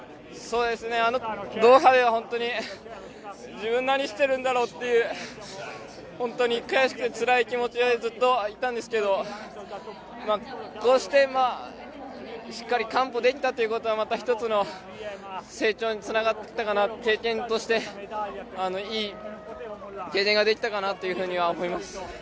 ドーハでは本当に自分何しているんだろうっていう本当に悔しくてつらい気持ちでずっといたんですけどこうして、しっかり完歩できたということはまた一つの成長につながったかな経験としていい経験ができたかなというふうには思います。